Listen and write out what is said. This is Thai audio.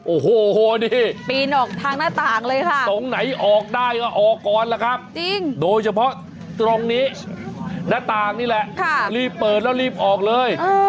โอ้โหนี่ตรงไหนออกได้ก็ออกก่อนล่ะครับโดยเฉพาะตรงนี้หน้าต่างนี่แหละรีบเปิดแล้วรีบออกเลย